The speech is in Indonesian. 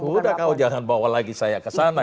udah kau jangan bawa lagi saya ke sana